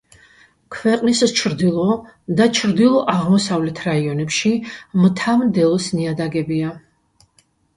ქვეყნის ჩრდილო და ჩრდილო-აღმოსავლეთ რაიონებში მთა-მდელოს ნიადაგებია.